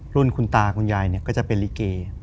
รุ่นคุณตาคุณยายก็จะเป็นลิเก